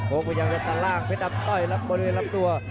พวกมันยังจะตั้งล่างเผ็ดดำต้อยรับบนด้วยรับตัว